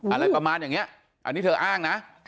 อะไรประมาณอย่างนี้อันนี้เธออ้างนะ